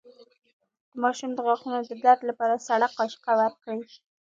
د ماشوم د غاښونو د درد لپاره سړه قاشق ورکړئ